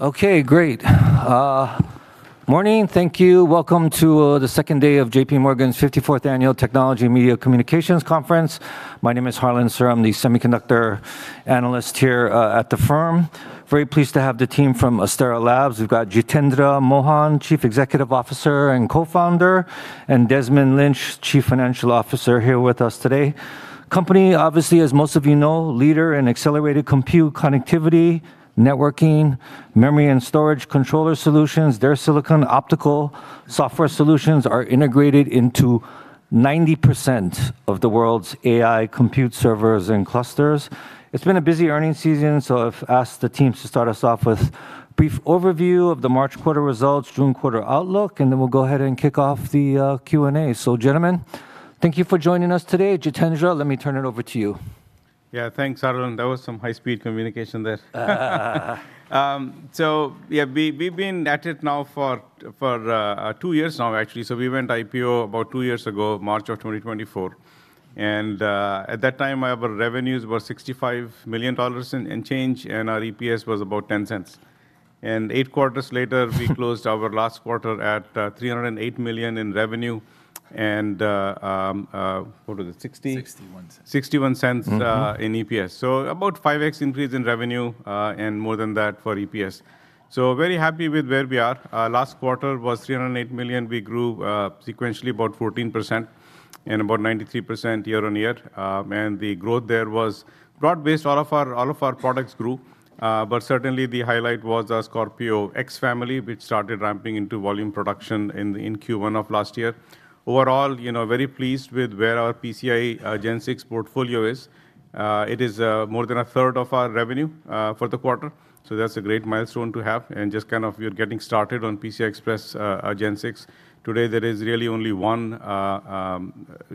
Great. Morning. Thank you. Welcome to the 2nd day of JPMorgan's 54th annual Technology and Media Communications Conference. My name is Harlan Sur. I'm the semiconductor analyst here at the firm. Very pleased to have the team from Astera Labs. We've got Jitendra Mohan, Chief Executive Officer and Co-founder, and Desmond Lynch, Chief Financial Officer here with us today. Company, obviously, as most of you know, leader in accelerated compute connectivity, networking, memory and storage controller solutions. Their silicon optical software solutions are integrated into 90% of the world's AI compute servers and clusters. It's been a busy earning season. I've asked the teams to start us off with brief overview of the March quarter results, June quarter outlook, we'll go ahead and kick off the Q&A. Gentlemen, thank you for joining us today. Jitendra, let me turn it over to you. Yeah, thanks, Harlan. There was some high-speed communication there. We've been at it now for two years, actually. We went IPO about two years ago, March 2024. At that time, our revenues were $65 million in change, and our EPS was about $0.10. 8 quarters later, we closed our last quarter at $308 million in revenue and what was it, 60? $0.61. $0.61. In EPS. About 5x increase in revenue, and more than that for EPS. Very happy with where we are. Last quarter was $308 million. We grew sequentially about 14% and about 93% year-on-year. The growth there was broad-based. All of our products grew. Certainly the highlight was our Scorpio X-Series family, which started ramping into volume production in Q1 of last year. Overall, you know, very pleased with where our PCIe Gen 6 portfolio is. It is more than 1/3 of our revenue for the quarter, that's a great milestone to have. Just kind of we're getting started on PCI Express Gen 6. Today, there is really only one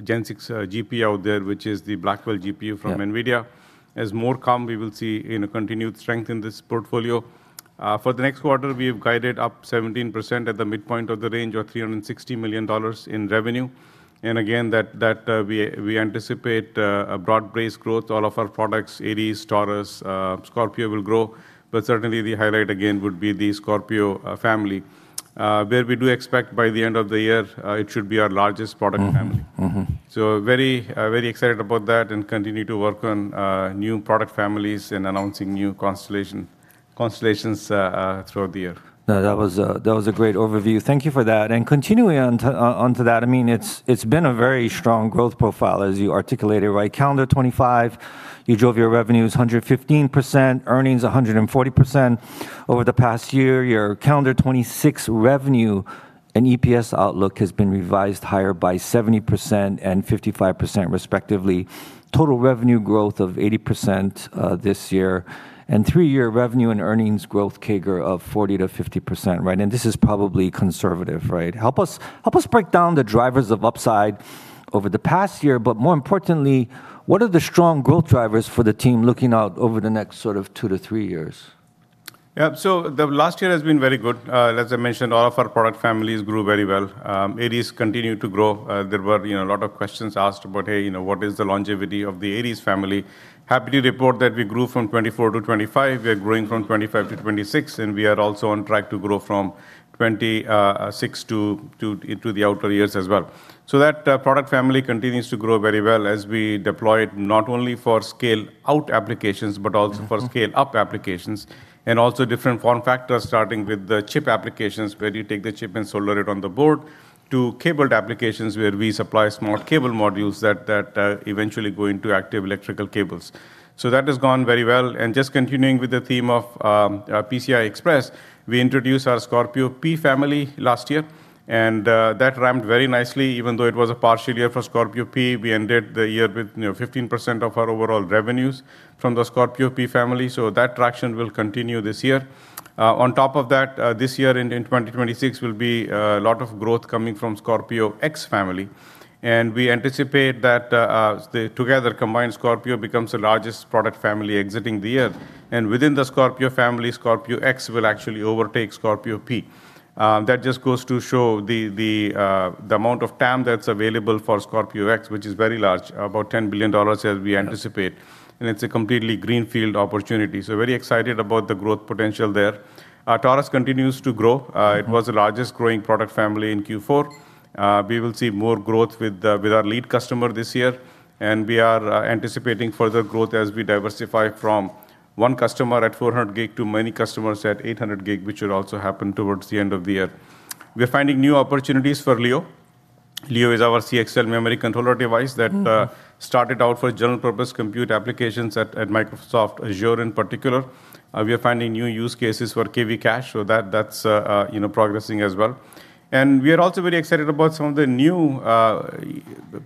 Gen 6 GPU out there, which is the Blackwell GPU from NVIDIA. Yeah. As more come, we will see, you know, continued strength in this portfolio. For the next quarter, we've guided up 17% at the midpoint of the range or $360 million in revenue. Again, that we anticipate a broad-based growth. All of our products, Aries, Taurus, Scorpio will grow. Certainly the highlight again would be the Scorpio family, where we do expect by the end of the year, it should be our largest product family. Mm-hmm. Mm-hmm. Very, very excited about that and continue to work on new product families and announcing new constellations throughout the year. No, that was a great overview. Thank you for that. Continuing on to that, I mean, it's been a very strong growth profile, as you articulated, right? calendar 2025, you drove your revenues 115%, earnings 140% over the past year. Your calendar 2026 revenue and EPS outlook has been revised higher by 70% and 55% respectively. Total revenue growth of 80% this year, three-year revenue and earnings growth CAGR of 40%-50%, right? This is probably conservative, right? Help us break down the drivers of upside over the past year. More importantly, what are the strong growth drivers for the team looking out over the next sort of two to three years? Yeah. The last year has been very good. As I mentioned, all of our product families grew very well. Aries continued to grow. There were, you know, a lot of questions asked about, "Hey, you know, what is the longevity of the Aries family?" Happy to report that we grew from 2024 to 2025. We are growing from 2025 to 2026. We are also on track to grow from 2026 into the outer years as well. That product family continues to grow very well as we deploy it, not only for scale out applications. For scale-up applications and also different form factors, starting with the chip applications where you take the chip and solder it on the board, to cabled applications where we supply Smart Cable Modules that eventually go into active electrical cables. That has gone very well. Just continuing with the theme of PCI Express, we introduced our Scorpio P-Series family last year, that ramped very nicely. Even though it was a partial year for Scorpio P-Series, we ended the year with, you know, 15% of our overall revenues from the Scorpio P-Series family. That traction will continue this year. On top of that, this year in 2026 will be a lot of growth coming from Scorpio X-Series family, and we anticipate that together combined Scorpio becomes the largest product family exiting the year. Within the Scorpio family, Scorpio X-Series will actually overtake Scorpio P-Series. That just goes to show the amount of TAM that's available for Scorpio X-Series, which is very large, about $10 billion as we anticipate. It's a completely greenfield opportunity. Very excited about the growth potential there. Our Taurus continues to grow. It was the largest growing product family in Q4. We will see more growth with our lead customer this year. We are anticipating further growth as we diversify from one customer at 400 gig to many customers at 800 gig, which would also happen towards the end of the year. We're finding new opportunities for Leo. Leo is our CXL memory controller device that. Started out for general purpose compute applications at Microsoft Azure in particular. We are finding new use cases for KV Cache, so that's, you know, progressing as well. We are also very excited about some of the new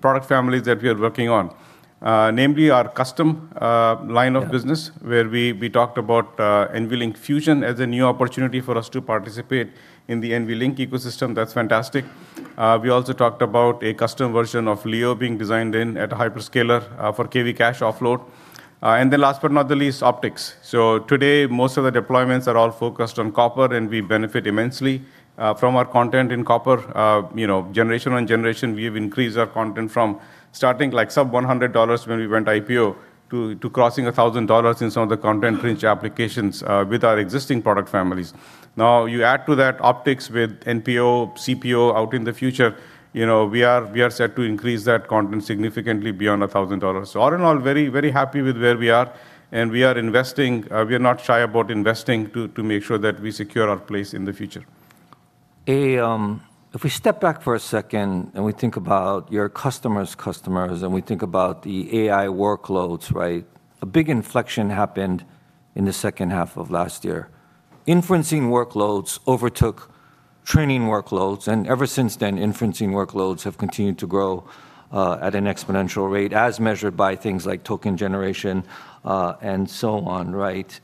product families that we are working on, namely our custom line of business. Yeah Where we talked about NVLink Fusion as a new opportunity for us to participate in the NVLink ecosystem. That's fantastic. We also talked about a custom version of Leo being designed in at a hyperscaler for KV Cache offload. Last but not the least, optics. Today, most of the deployments are all focused on copper, and we benefit immensely from our content in copper. You know, generation on generation, we've increased our content from starting like sub $100 when we went IPO to crossing $1,000 in some of the content rich applications with our existing product families. You add to that optics with NPO, CPO out in the future, you know, we are set to increase that content significantly beyond $1,000. All in all, very, very happy with where we are, and we are investing. We are not shy about investing to make sure that we secure our place in the future. If we step back for a second, and we think about your customer's customers, and we think about the AI workloads, right? A big inflection happened in the second half of last year. Inferencing workloads overtook training workloads, and ever since then, inferencing workloads have continued to grow at an exponential rate as measured by things like token generation, and so on, right?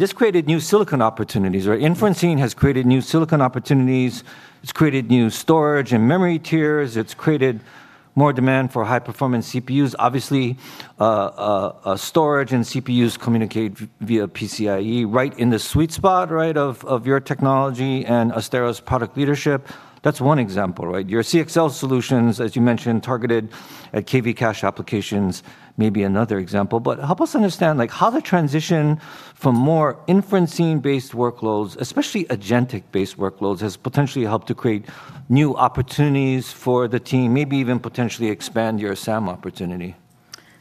This created new silicon opportunities, right? Inferencing has created new silicon opportunities. It's created new storage and memory tiers. It's created more demand for high-performance CPUs. Obviously, storage and CPUs communicate via PCIe right in the sweet spot, right, of your technology and Astera Labs' product leadership. That's one example, right? Your CXL solutions, as you mentioned, targeted at KV cache applications may be another example. Help us understand, like, how the transition from more inferencing-based workloads, especially agentic-based workloads, has potentially helped to create new opportunities for the team, maybe even potentially expand your SAM opportunity.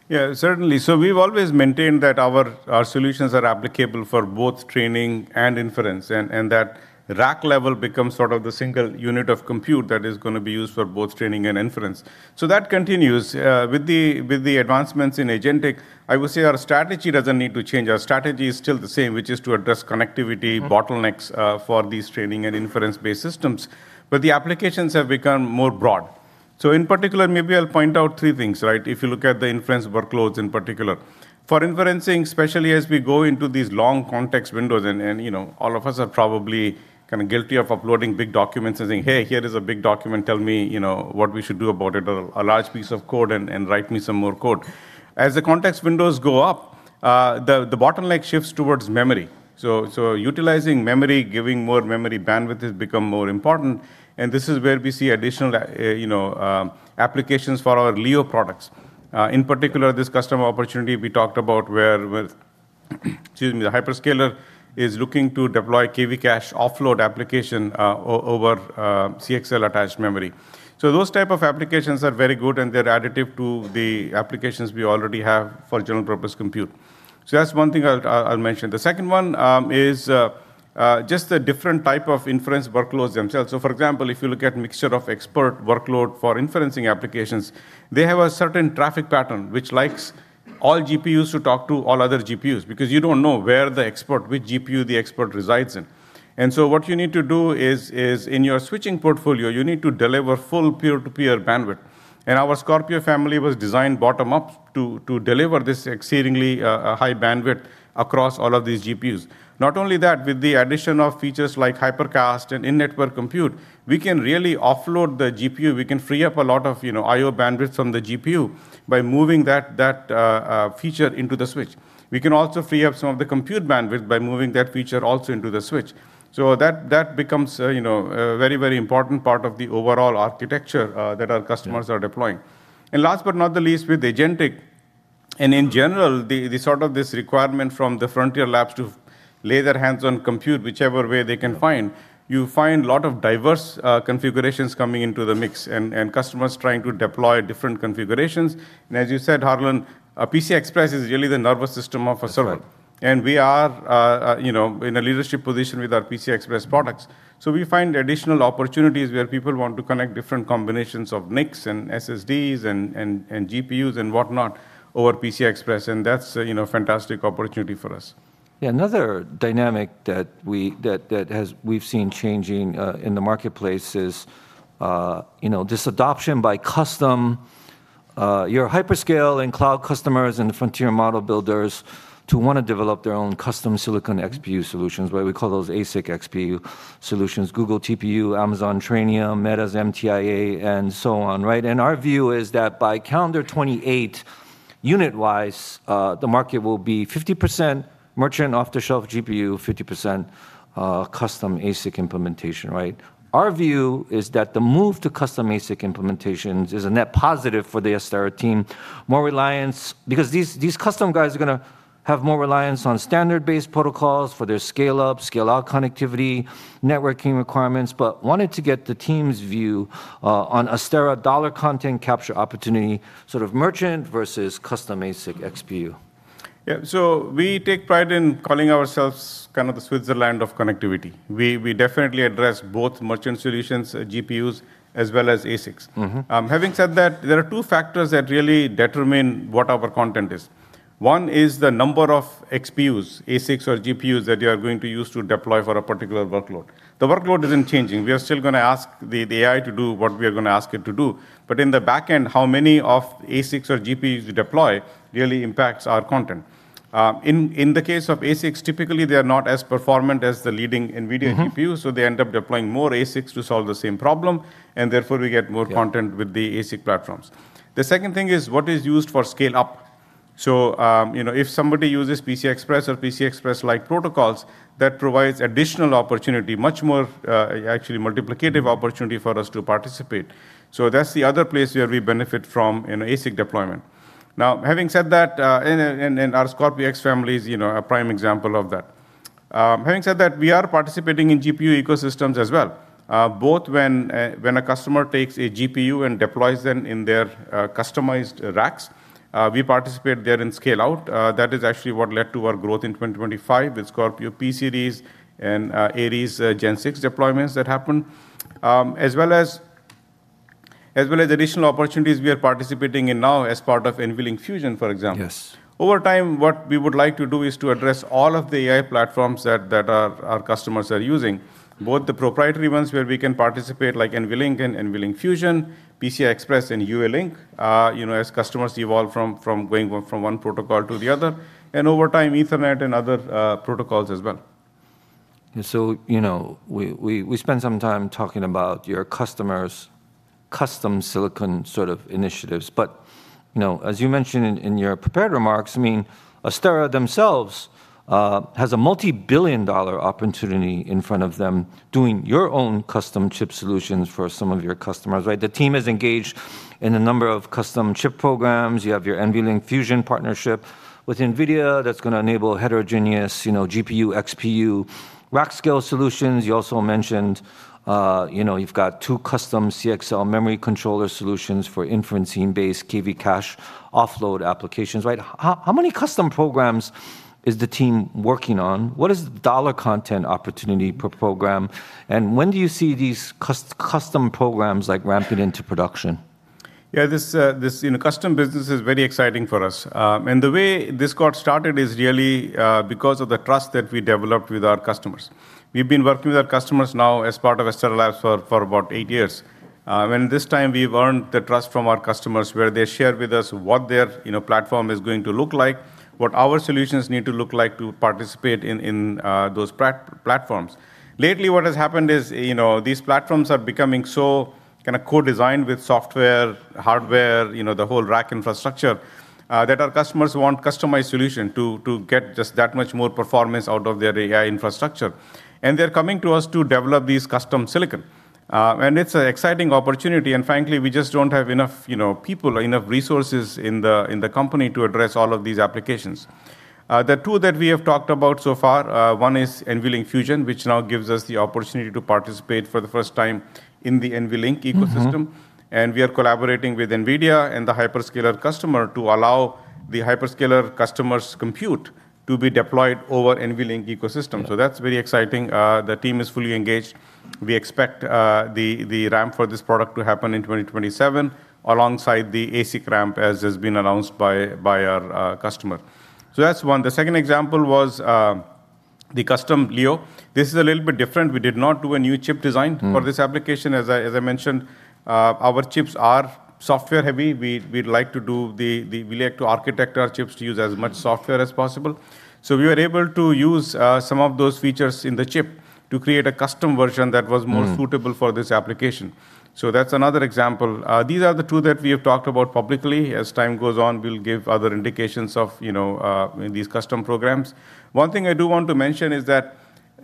Yeah, certainly. We've always maintained that our solutions are applicable for both training and inference, and that rack level becomes sort of the single unit of compute that is going to be used for both training and inference. That continues. With the advancements in agentic, I would say our strategy doesn't need to change. Our strategy is still the same, which is to address connectivity- Bottlenecks, for these training and inference-based systems. The applications have become more broad. In particular, maybe I'll point out three things, right? If you look at the inference workloads in particular. For inferencing, especially as we go into these long context windows and, you know, all of us are probably kind of guilty of uploading big documents and saying, "Hey, here is a big document. Tell me, you know, what we should do about it, or a large piece of code and write me some more code." As the context windows go up, the bottleneck shifts towards memory. Utilizing memory, giving more memory bandwidth has become more important, and this is where we see additional, you know, applications for our Leo products. In particular, this customer opportunity we talked about where the hyperscaler is looking to deploy KV Cache offload application over CXL attached memory. Those type of applications are very good, and they're additive to the applications we already have for general purpose compute. That's one thing I'll mention. The second one is just the different type of inference workloads themselves. For example, if you look at Mixture of Experts workload for inferencing applications, they have a certain traffic pattern which likes all GPUs to talk to all other GPUs, because you don't know where the expert, which GPU the expert resides in. What you need to do is in your switching portfolio, you need to deliver full peer-to-peer bandwidth. Our Scorpio family was designed bottom up to deliver this exceedingly high bandwidth across all of these GPUs. Not only that, with the addition of features like Hypercast and in-network compute, we can really offload the GPU. We can free up a lot of, you know, IO bandwidth from the GPU by moving that feature into the switch. We can also free up some of the compute bandwidth by moving that feature also into the switch. That becomes, you know, a very, very important part of the overall architecture that our customers are deploying. Last but not the least, with agentic, in general, the sort of this requirement from the frontier labs to lay their hands on compute, whichever way they can find. You find a lot of diverse configurations coming into the mix and customers trying to deploy different configurations. As you said, Harlan, PCIe is really the nervous system of a server. Right. We are, you know, in a leadership position with our PCIe products. We find additional opportunities where people want to connect different combinations of NICs and SSDs and GPUs and whatnot over PCIe. That's, you know, a fantastic opportunity for us. Yeah. Another dynamic that we've seen changing in the marketplace is, you know, this adoption by custom, your hyperscale and cloud customers and frontier model builders to wanna develop their own custom silicon XPU solutions. We call those ASIC XPU solutions, Google TPU, Amazon Trainium, Meta's MTIA, and so on. Our view is that by calendar 2028, unit-wise, the market will be 50% merchant off-the-shelf GPU, 50% custom ASIC implementation. Our view is that the move to custom ASIC implementations is a net positive for the Astera team. Because these custom guys are gonna have more reliance on standard-based protocols for their scale-up, scale-out connectivity, networking requirements. Wanted to get the team's view on Astera dollar content capture opportunity, sort of merchant versus custom ASIC XPU. Yeah. We take pride in calling ourselves kind of the Switzerland of connectivity. We definitely address both merchant solutions, GPUs, as well as ASICs. Having said that, there are two factors that really determine what our content is. One is the number of XPUs, ASICs or GPUs, that you are going to use to deploy for a particular workload. The workload isn't changing. We are still gonna ask the AI to do what we are gonna ask it to do. In the back end, how many of ASICs or GPUs you deploy really impacts our content. In the case of ASICs, typically they are not as performant as the leading NVIDIA GPU. They end up deploying more ASICs to solve the same problem, and therefore we get more content. Yeah With the ASIC platforms. The second thing is what is used for scale up. You know, if somebody uses PCI Express or PCI Express-like protocols, that provides additional opportunity, much more, actually multiplicative opportunity for us to participate. That's the other place where we benefit from in ASIC deployment. Having said that, and our Scorpio X-Series family is, you know, a prime example of that. Having said that, we are participating in GPU ecosystems as well, both when a customer takes a GPU and deploys them in their customized racks. We participate there in scale out. That is actually what led to our growth in 2025 with Scorpio P-Series and Aries Gen 6 deployments that happened. As well as additional opportunities we are participating in now as part of NVLink Fusion, for example. Yes. Over time, what we would like to do is to address all of the AI platforms that our customers are using, both the proprietary ones where we can participate like NVLink and NVLink Fusion, PCI Express, and UALink, you know, as customers evolve from going from one protocol to the other, and over time, Ethernet and other protocols as well. You know, we spent some time talking about your customers' custom silicon sort of initiatives, but, you know, as you mentioned in your prepared remarks, I mean, Astera themselves has a multi-billion dollar opportunity in front of them doing your own custom chip solutions for some of your customers, right? The team is engaged in a number of custom chip programs. You have your NVLink Fusion partnership with NVIDIA that's gonna enable heterogeneous, you know, GPU, XPU, rack scale solutions. You also mentioned, you know, you've got two custom CXL memory controller solutions for inferencing-based KV Cache offload applications, right? How many custom programs is the team working on? What is the dollar content opportunity per program? When do you see these custom programs, like, ramping into production? Yeah, this, you know, custom business is very exciting for us. The way this got started is really because of the trust that we developed with our customers. We've been working with our customers now as part of Astera Labs for about eight years. This time we've earned the trust from our customers where they share with us what their, you know, platform is going to look like, what our solutions need to look like to participate in those platforms. Lately, what has happened is, you know, these platforms are becoming so kind of co-designed with software, hardware, you know, the whole rack infrastructure, that our customers want customized solution to get just that much more performance out of their AI infrastructure. They're coming to us to develop these custom silicon. It's an exciting opportunity, and frankly, we just don't have enough, you know, people or enough resources in the, in the company to address all of these applications. The two that we have talked about so far, one is NVLink Fusion, which now gives us the opportunity to participate for the first time in the NVLink ecosystem. We are collaborating with NVIDIA and the hyperscaler customer to allow the hyperscaler customer's compute to be deployed over NVLink ecosystem. That's very exciting. The team is fully engaged. We expect the ramp for this product to happen in 2027 alongside the ASIC ramp as has been announced by our customer. That's one. The second example was the custom Leo. This is a little bit different. We did not do a new chip design- For this application. As I mentioned, our chips are software heavy. We like to architect our chips to use as much software as possible. We were able to use some of those features in the chip to create a custom version that was more. suitable for this application. That's another example. These are the two that we have talked about publicly. As time goes on, we'll give other indications of, you know, in these custom programs. One thing I do want to mention is that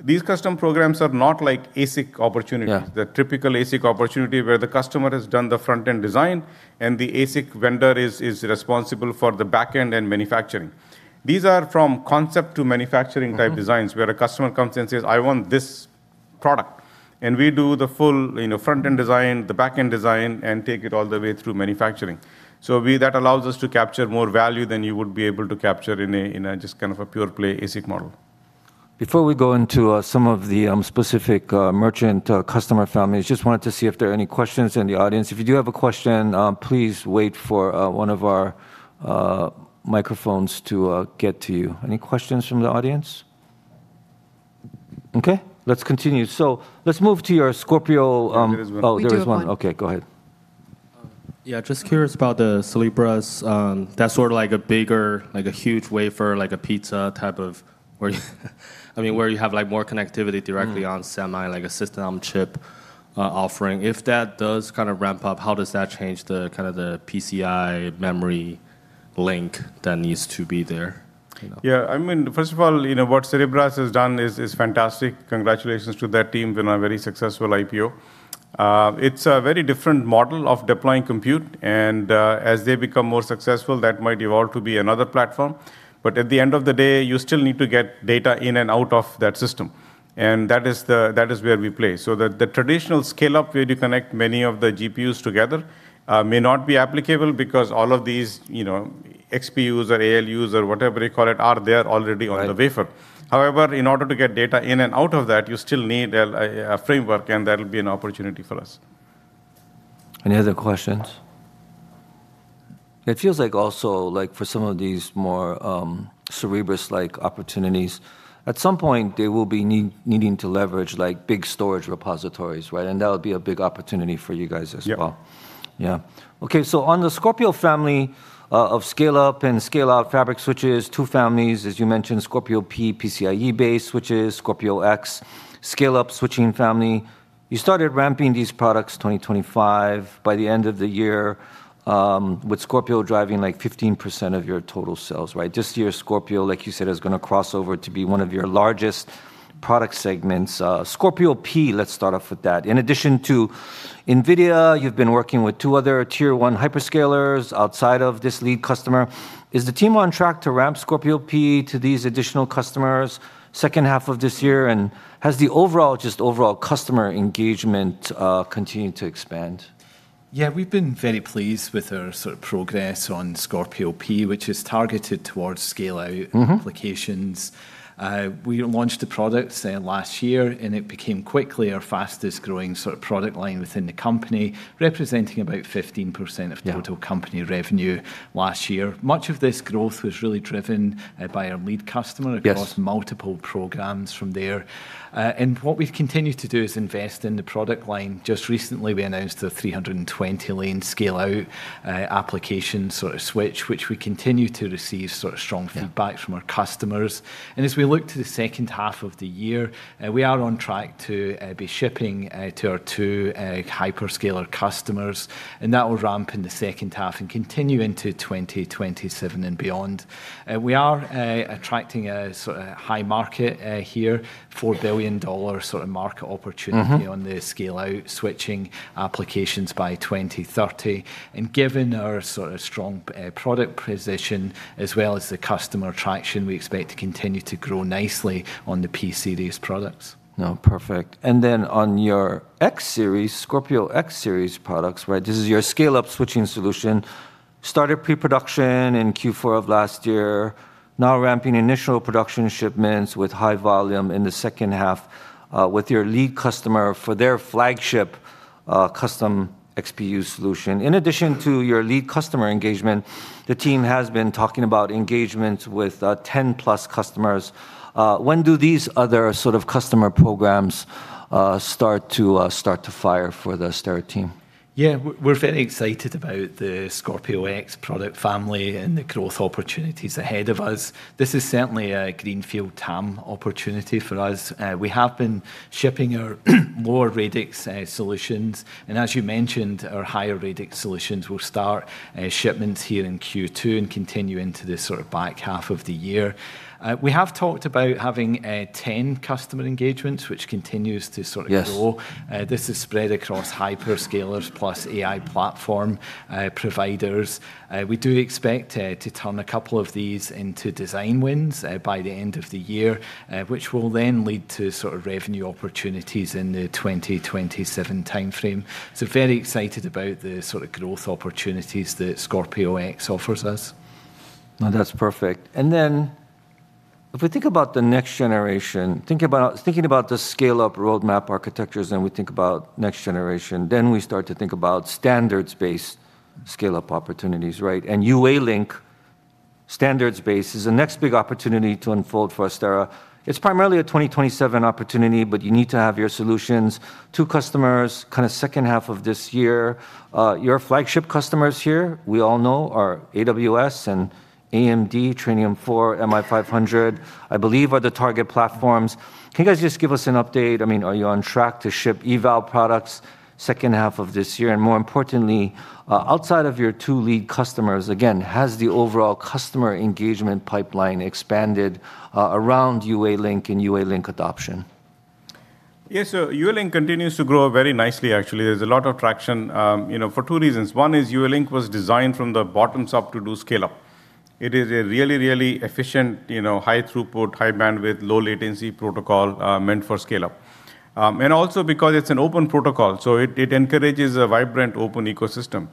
these custom programs are not like ASIC opportunities. Yeah. The typical ASIC opportunity where the customer has done the front-end design and the ASIC vendor is responsible for the back end and manufacturing. These are from concept to manufacturing. Type designs, where a customer comes in and says, "I want this product." We do the full, you know, front-end design, the back-end design, and take it all the way through manufacturing. That allows us to capture more value than you would be able to capture in a, in a just kind of a pure play ASIC model. Before we go into some of the specific merchant customer families, just wanted to see if there are any questions in the audience. If you do have a question, please wait for one of our microphones to get to you. Any questions from the audience? Okay. Let's continue. Let's move to your Scorpio. There is one. Oh, there is one. We do have one. Okay, go ahead. Yeah, just curious about the Cerebras, that's sort of like a bigger, like a huge wafer, like a pizza type of where I mean, where you have like more connectivity directly- On semi, like a system on chip, offering. If that does kind of ramp up, how does that change the kind of the PCIe memory link that needs to be there, you know? Yeah, I mean, first of all, you know, what Cerebras has done is fantastic. Congratulations to their team on a very successful IPO. It's a very different model of deploying compute, and as they become more successful, that might evolve to be another platform. At the end of the day, you still need to get data in and out of that system, and that is where we play. The traditional scale-up where you connect many of the GPUs together, may not be applicable because all of these, you know, XPU or ALUs or whatever you call it, are there already on the wafer. Right. In order to get data in and out of that, you still need a framework, and that'll be an opportunity for us. Any other questions? It feels like also, like for some of these more, Cerebras-like opportunities, at some point, they will be needing to leverage, like, big storage repositories, right? That would be a big opportunity for you guys as well. Yep. Okay, so on the Scorpio family of scale-up and scale-out fabric switches, two families, as you mentioned, Scorpio P-Series PCIe-based switches, Scorpio X-Series scale-up switching family. You started ramping these products 2025. By the end of the year, with Scorpio driving like 15% of your total sales, right? This year, Scorpio, like you said, is gonna cross over to be one of your largest product segments. Scorpio P-Series, let's start off with that. In addition to NVIDIA, you've been working with two other tier 1 hyperscalers outside of this lead customer. Is the team on track to ramp Scorpio P-Series to these additional customers second half of this year? Has the overall, just overall customer engagement, continued to expand? Yeah, we've been very pleased with our sort of progress on Scorpio P-Series, which is targeted towards scale-out applications. We launched the product, say, last year, and it became quickly our fastest growing sort of product line within the company, representing about 15%. Yeah Total company revenue last year. Much of this growth was really driven, by our lead customer. Yes Across multiple programs from there. What we've continued to do is invest in the product line. Just recently, we announced a 320-lane scale-out, application sort of switch, which we continue to receive sort of strong feedback. Yeah From our customers. As we look to the second half of the year, we are on track to be shipping to our two hyperscaler customers, and that will ramp in the second half and continue into 2027 and beyond. We are attracting a sort of high market here, $4 billion sort of market opportunity. On the scale-out switching applications by 2030. Given our sort of strong product position as well as the customer traction, we expect to continue to grow nicely on the P-Series products. Perfect. On your X-Series, Scorpio X-Series products? This is your scale-up switching solution. Started pre-production in Q4 of last year. Now ramping initial production shipments with high volume in the second half with your lead customer for their flagship custom XPU solution. In addition to your lead customer engagement, the team has been talking about engagement with 10+ customers. When do these other sort of customer programs start to fire for the Astera team? Yeah. We're very excited about the Scorpio X-Series product family and the growth opportunities ahead of us. This is certainly a greenfield TAM opportunity for us. We have been shipping our lower radix solutions. As you mentioned, our higher radix solutions will start shipments here in Q2 and continue into the sort of back half of the year. We have talked about having 10 customer engagements, which continues to sort of grow. Yes. This is spread across hyperscalers plus AI platform providers. We do expect to turn a couple of these into design wins by the end of the year, which will then lead to sort of revenue opportunities in the 2027 timeframe. Very excited about the sort of growth opportunities that Scorpio X-Series offers us. No, that's perfect. If we think about the next generation, thinking about the scale-up roadmap architectures, then we think about next generation, then we start to think about standards-based scale-up opportunities, right? UALink standards-based is the next big opportunity to unfold for Astera. It's primarily a 2027 opportunity, but you need to have your solutions to customers kind of second half of this year. Your flagship customers here, we all know, are AWS and AMD Trainium 4, MI500, I believe are the target platforms. Can you guys just give us an update? I mean, are you on track to ship eval products second half of this year? More importantly, outside of your two lead customers, again, has the overall customer engagement pipeline expanded around UALink and UALink adoption? UALink continues to grow very nicely, actually. There's a lot of traction, you know, for two reasons. One is UALink was designed from the bottom up to do scale-up. It is a really efficient, you know, high throughput, high bandwidth, low latency protocol meant for scale-up. Also because it's an open protocol, so it encourages a vibrant open ecosystem.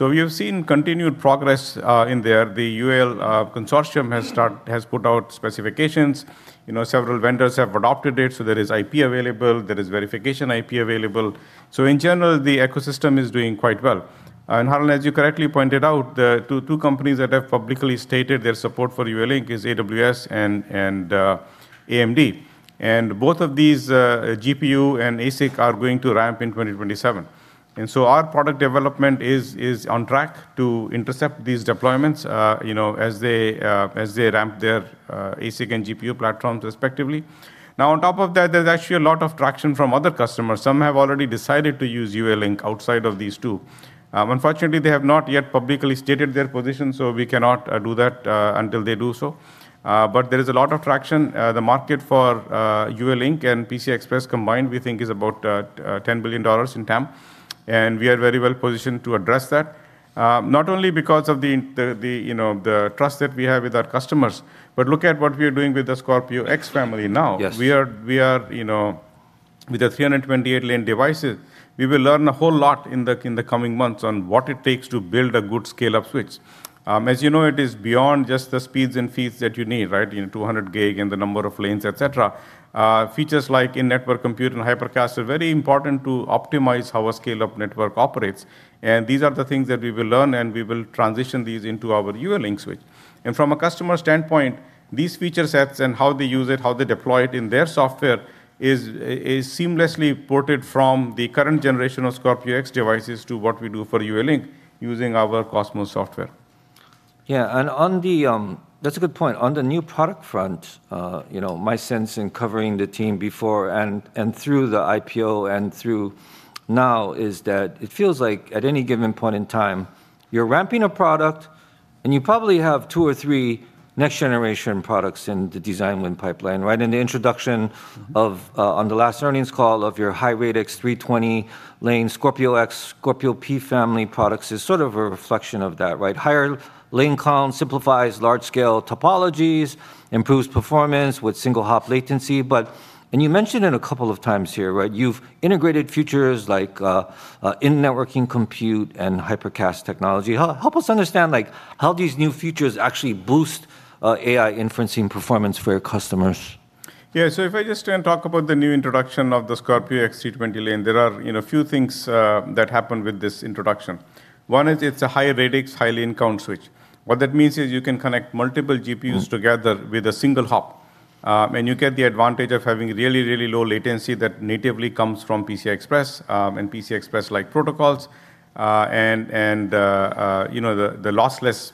We have seen continued progress in there. The UALink consortium has put out specifications. You know, several vendors have adopted it, so there is IP available, there is verification IP available. In general, the ecosystem is doing quite well. Harlan, as you correctly pointed out, the two companies that have publicly stated their support for UALink is AWS and AMD. Both of these, GPU and ASIC are going to ramp in 2027. Our product development is on track to intercept these deployments, you know, as they ramp their ASIC and GPU platforms respectively. Now, on top of that, there's actually a lot of traction from other customers. Some have already decided to use UALink outside of these two. Unfortunately, they have not yet publicly stated their position, so we cannot do that until they do so. There is a lot of traction. The market for UALink and PCI Express combined, we think is about $10 billion in TAM, and we are very well positioned to address that. Not only because of the, you know, the trust that we have with our customers, but look at what we are doing with the Scorpio X family now. Yes. We are, you know, with the 320-lane devices, we will learn a whole lot in the, in the coming months on what it takes to build a good scale-up switch. As you know, it is beyond just the speeds and feeds that you need, right? You know, 200 gig and the number of lanes, et cetera. Features like In-Network Compute and Hypercast are very important to optimize how a scale-up network operates. These are the things that we will learn, and we will transition these into our UALink switch. From a customer standpoint, these feature sets and how they use it, how they deploy it in their software is seamlessly ported from the current generation of Scorpio X devices to what we do for UALink using our COSMOS software. Yeah. That's a good point. On the new product front, you know, my sense in covering the team before and through the IPO and through now is that it feels like at any given point in time, you're ramping a product and you probably have two or three next generation products in the design win pipeline, right? The introduction of on the last earnings call of your high radix 320-lane Scorpio X-Series, Scorpio P-Series family products is sort of a reflection of that, right? Higher lane count simplifies large scale topologies, improves performance with single hop latency. You mentioned it a couple of times here, right? You've integrated features like In-Network Computing and Hypercast technology. Help us understand, like, how these new features actually boost AI inferencing performance for your customers. If I just turn and talk about the new introduction of the Scorpio X-Series 320 Lane, there are, you know, a few things that happen with this introduction. One is it's a high radix, high lane count switch. What that means is you can connect multiple GPUs together with a single hop, and you get the advantage of having really, really low latency that natively comes from PCI Express and PCI Express-like protocols, and, you know, the lossless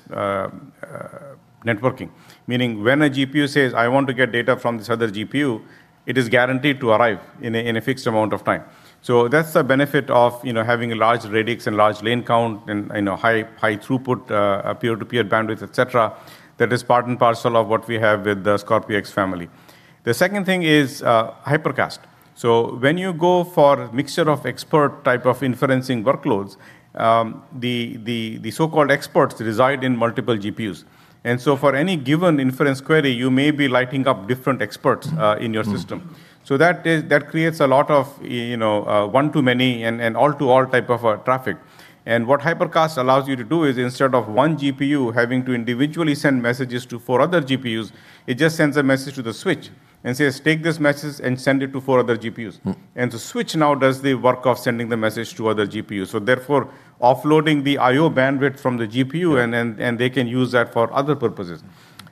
networking. Meaning when a GPU says, "I want to get data from this other GPU," it is guaranteed to arrive in a fixed amount of time. That's the benefit of, you know, having a large radix and large lane count and, you know, high, high throughput, peer-to-peer bandwidth, et cetera, that is part and parcel of what we have with the Scorpio X family. The second thing is Hypercast. When you go for Mixture of Experts type of inferencing workloads, the so-called experts reside in multiple GPUs. For any given inference query, you may be lighting up different experts in your system. Mm-hmm. Mm-hmm. That creates a lot of, you know, 1-to-many and all-to-all type of traffic. What Hypercast allows you to do is instead of 1 GPU having to individually send messages to four other GPUs, it just sends a message to the switch and says, "Take this message and send it to four other GPUs. The switch now does the work of sending the message to other GPUs. Therefore, offloading the IO bandwidth from the GPU and they can use that for other purposes.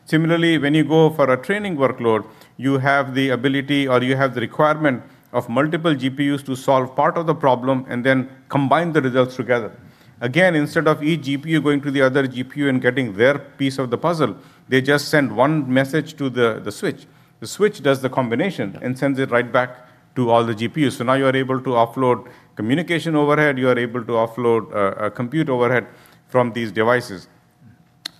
Similarly, when you go for a training workload, you have the ability or you have the requirement of multiple GPUs to solve part of the problem and then combine the results together. Instead of each GPU going to the other GPU and getting their piece of the puzzle, they just send one message to the switch. The switch does the combination and sends it right back to all the GPUs. Now you are able to offload communication overhead, you are able to offload compute overhead from these devices.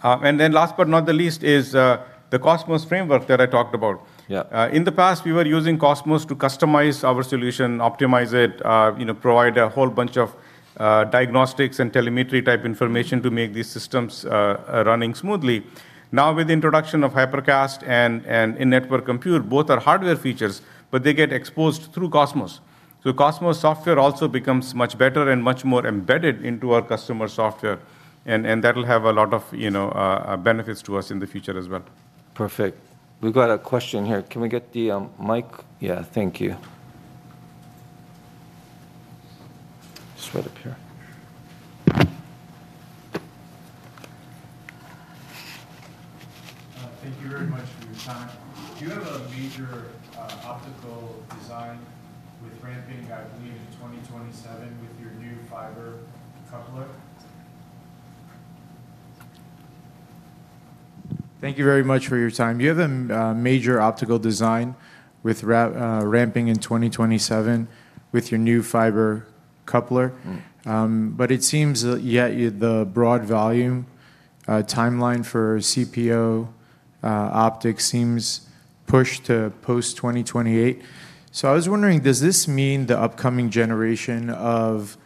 Last but not the least is the COSMOS framework that I talked about. Yeah. In the past, we were using COSMOS to customize our solution, optimize it, you know, provide a whole bunch of diagnostics and telemetry type information to make these systems running smoothly. With the introduction of Hypercast and In-Network Computing, both are hardware features, but they get exposed through COSMOS. COSMOS software also becomes much better and much more embedded into our customer software, and that will have a lot of, you know, benefits to us in the future as well. Perfect. We've got a question here. Can we get the mic? Yeah. Thank you. Just right up here. Thank you very much for your time. Do you have a major optical design with ramping, I believe, in 2027 with your new fiber coupler? Thank you very much for your time. Do you have a major optical design with ramping in 2027 with your new fiber coupler? It seems that the broad volume timeline for CPO optics seems pushed to post 2028. I was wondering, does this mean the upcoming generation of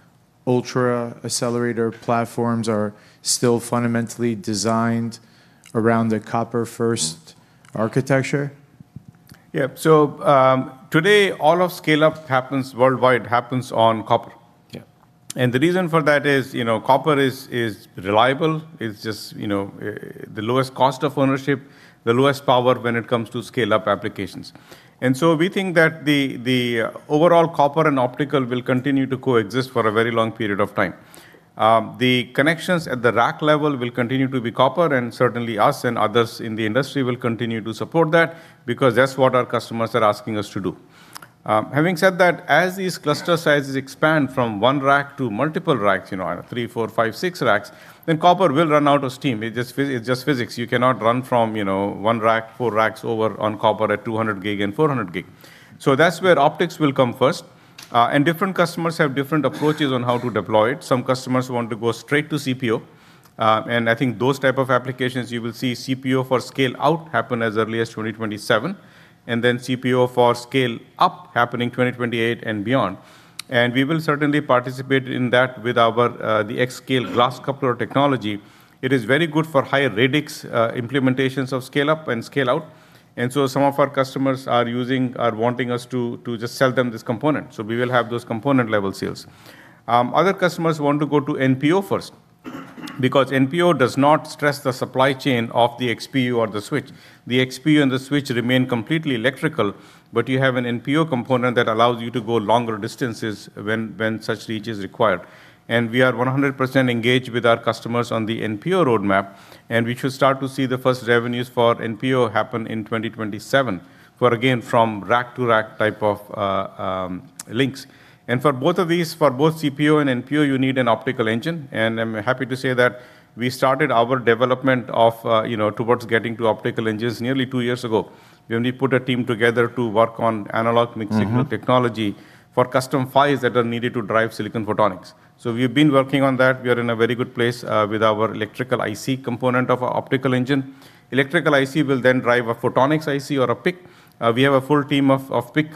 ultra accelerator platforms are still fundamentally designed around the copper first architecture? Yeah. Worldwide happens on copper. Yeah. The reason for that is, you know, copper is reliable. It's just, you know, the lowest cost of ownership, the lowest power when it comes to scale-up applications. We think that the overall copper and optical will continue to coexist for a very long period of time. The connections at the rack level will continue to be copper, and certainly us and others in the industry will continue to support that because that's what our customers are asking us to do. Having said that, as these cluster sizes expand from one rack to multiple racks, you know, three, four, five, six racks, copper will run out of steam. It's just physics. You cannot run from, you know, one rack, four racks over on copper at 200 gig and 400 gig. That's where optics will come first. Different customers have different approaches on how to deploy it. Some customers want to go straight to CPO, and I think those type of applications, you will see CPO for scale out happen as early as 2027, and then CPO for scale up happen in 2028 and beyond. We will certainly participate in that withAI scale glass coupler technology. It is very good for higher radix implementations of scale up and scale out. Some of our customers are wanting us to just sell them this component. We will have those component level sales. Other customers want to go to NPO first because NPO does not stress the supply chain of the XPU or the switch. The XPU and the switch remain completely electrical, but you have an NPO component that allows you to go longer distances when such reach is required. We are 100% engaged with our customers on the NPO roadmap, and we should start to see the first revenues for NPO happen in 2027, for again, from rack to rack type of links. For both of these, for both CPO and NPO, you need an optical engine, and I'm happy to say that we started our development of, you know, towards getting to optical engines nearly two years ago. We only put a team together to work on analog mixed signal technology for custom PHYs that are needed to drive silicon photonics. We've been working on that. We are in a very good place with our electrical IC component of our optical engine. Electrical IC will then drive a photonics IC or a PIC. We have a full team of PIC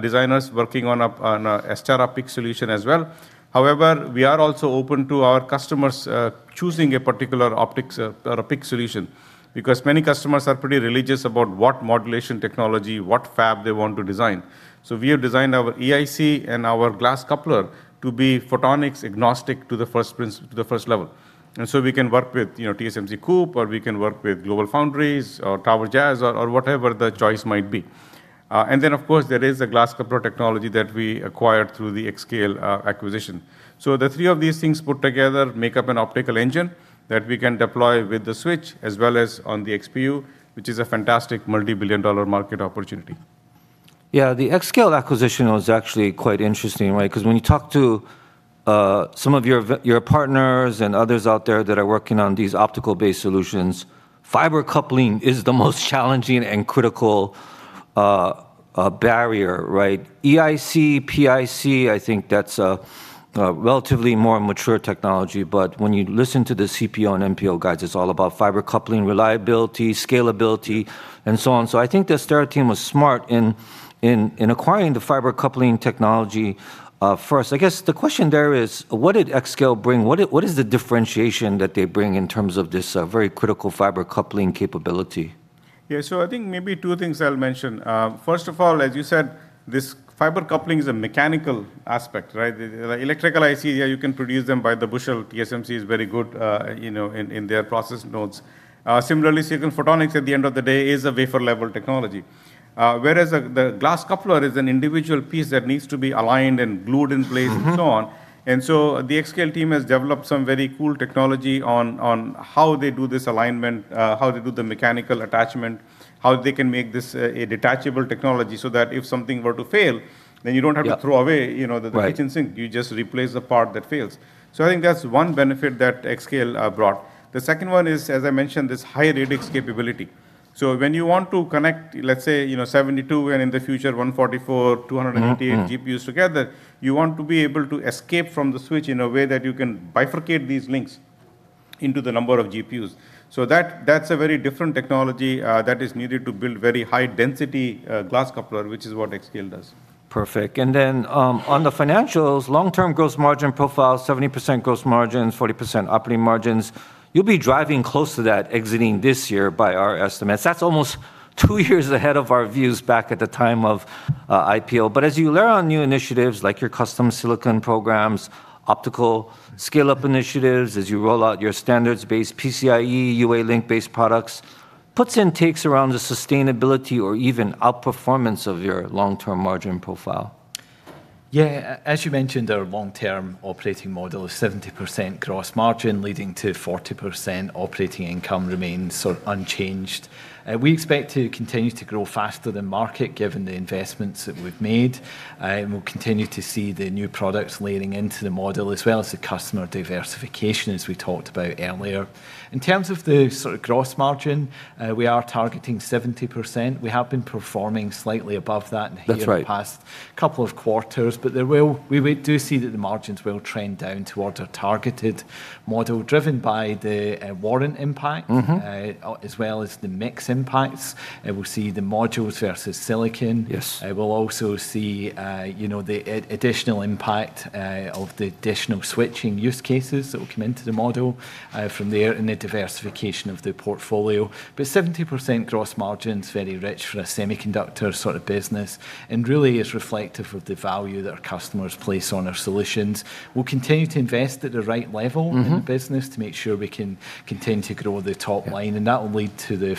designers working on a CPO solution as well. However, we are also open to our customers choosing a particular optics or a PIC solution because many customers are pretty religious about what modulation technology, what fab they want to design. We have designed our EIC and our glass coupler to be photonics agnostic to the first level. We can work with, you know, TSMC COUPE, or we can work with GlobalFoundries or TowerJazz or whatever the choice might be. Of course, there is a glass coupler technology that we acquired throughAI scale acquisition. The three of these things put together make up an optical engine that we can deploy with the switch, as well as on the XPU, which is a fantastic multi-billion dollar market opportunity. Yeah, the Xscale acquisition was actually quite interesting, right? 'Cause when you talk to some of your partners and others out there that are working on these optical-based solutions, fiber coupling is the most challenging and critical barrier, right? EIC, PIC, I think that's a relatively more mature technology, but when you listen to the CPO and NPO guides, it's all about fiber coupling, reliability, scalability, and so on. I think the Astera team was smart in acquiring the fiber coupling technology first. I guess the question there is, what did Xscale bring? What is the differentiation that they bring in terms of this very critical fiber coupling capability? I think maybe two things I'll mention. First of all, as you said, this fiber coupling is a mechanical aspect, right? The electrical IC, yeah, you can produce them by the bushel. TSMC is very good in their process nodes. Similarly, silicon photonics at the end of the day is a wafer level technology. Whereas the glass coupler is an individual piece that needs to be aligned and glued in place and so on. AI scale team has developed some very cool technology on how they do this alignment, how they do the mechanical attachment, how they can make this a detachable technology so that if something were to fail, then you don't have to throw away. Yeah, right. You know, the kitchen sink. You just replace the part that fails. I think that's one benefitAI scale brought. The second one is, as I mentioned, this high radix capability. When you want to connect, let's say, you know, 72 and in the future 144, 288 GPUs together. Mm-hmm, mm-hmm. You want to be able to escape from the switch in a way that you can bifurcate these links into the number of GPUs. That, that's a very different technology, that is needed to build very high density, glass coupler, which isAI scale does. Perfect. Then, on the financials, long-term gross margin profile, 70% gross margins, 40% operating margins. You'll be driving close to that exiting this year by our estimates. That's almost two years ahead of our views back at the time of IPO. As you layer on new initiatives like your custom silicon programs, optical scale-up initiatives, as you roll out your standards-based PCIe, UALink-based products, puts and takes around the sustainability or even outperformance of your long-term margin profile. Yeah. as you mentioned, our long-term operating model is 70% gross margin leading to 40% operating income remains sort of unchanged. We expect to continue to grow faster than market given the investments that we've made, we'll continue to see the new products layering into the model as well as the customer diversification as we talked about earlier. In terms of the sort of gross margin, we are targeting 70%. We have been performing slightly above that here- That's right. In the past couple of quarters, we do see that the margins will trend down towards our targeted model driven by the warrant impact. As well as the mix impacts. We'll see the modules versus silicon. Yes. We'll also see, you know, the additional impact of the additional switching use cases that will come into the model from there and the diversification of the portfolio. 70% gross margin's very rich for a semiconductor sort of business and really is reflective of the value that our customers place on our solutions. We'll continue to invest at the right level- In the business to make sure we can continue to grow the top line. Yeah. That will lead to the.